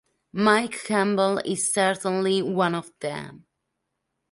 Mike Campbell is certainly one of them.